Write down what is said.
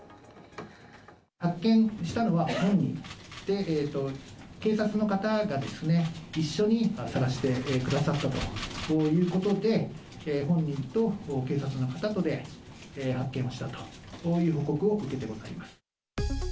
発見したのは本人で、警察の方が、一緒に捜してくださったということで、本人と警察の方とで発見したという報告を受けてございます。